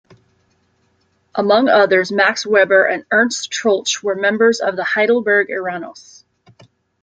Among others, Max Weber and Ernst Troeltsch were members of the "Heidelberg Eranos".